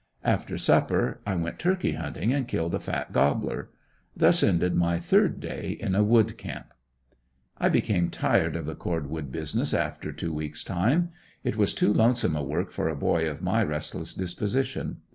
After supper I went turkey hunting and killed a fat gobbler. Thus ended my third day in a wood camp. I became tired of the cord wood business after two weeks time. It was too lonesome a work for a boy of my restless disposition.